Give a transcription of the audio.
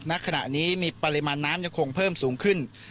ณขณะนี้มีปริมาณน้ำยังคงเพิ่มสูงขึ้น